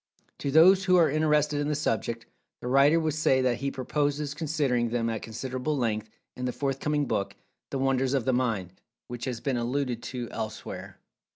To those who are interested in the subject, the writer would say that he purposes considering them at considerable length, in the forthcoming book "The Wonders of The Mind," which has been alluded to elsewhere.